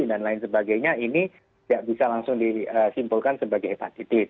dan lain sebagainya ini tidak bisa langsung disimpulkan sebagai hepatitis